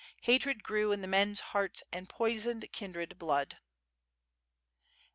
Hatred grew in the men's hearts and poisoned kindred blood.